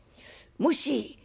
「もし。